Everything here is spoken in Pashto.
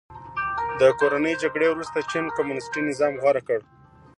د کورنۍ جګړې وروسته چین کمونیستي نظام غوره کړ.